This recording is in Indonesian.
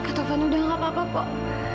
ketopan udah nggak apa apa pak